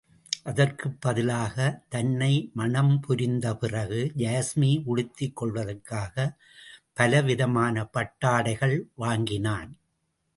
அதற்குப் பதிலாக, தன்னை மணம்புரிந்த பிறகு, யாஸ்மி உடுத்திக் கொள்வதற்காகப் பலவிதமான பட்டாடைகளை வாங்கினான்.